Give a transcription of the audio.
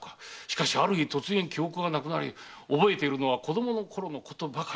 がある日突然記憶がなくなり覚えているのは子供のころのことばかり。